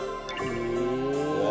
うわ！